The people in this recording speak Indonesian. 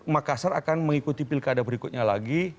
makassar akan mengikuti pilkada berikutnya lagi